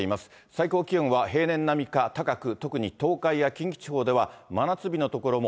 最高気温は平年並みか高く、特に東海や近畿地方では真夏日の所も。